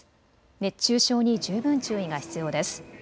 熱中症に十分注意が必要です。